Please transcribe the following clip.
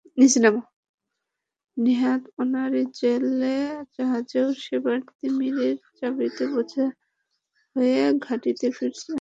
নেহাত আনাড়ি জেলে জাহাজও সেবার তিমির চর্বিতে বোঝাই হয়ে ঘাঁটিতে ফিরেছে।